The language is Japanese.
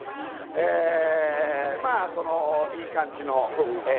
ええーまあそのいい感じのえ